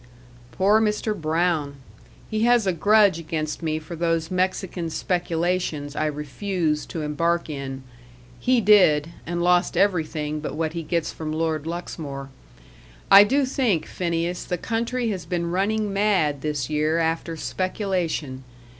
"Poor Mr. Brown! He has a grudge against me for those Mexican speculations I refused to embark in; he did, and lost everything but what he gets from Lord Luxmore. I do think, Phineas, the country has been running mad this year after speculation.